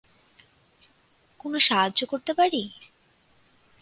কোনো সাহায্য করতে পারি?